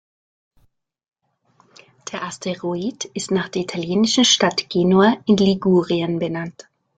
Der Asteroid ist nach der italienischen Stadt Genua in Ligurien benannt.